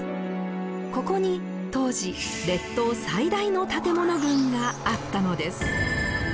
ここに当時列島最大の建物群があったのです。